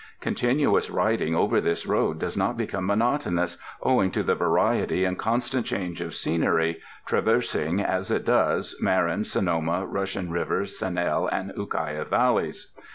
Continuous riding over this road does not become monotonous, owing to the variety and constant change of scenery, traversing, as it does, Marin, Sonoma, Russian River, Sanel and Ukiah Valleys.